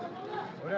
dan yang ketiga